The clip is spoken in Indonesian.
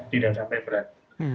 tidak sampai berat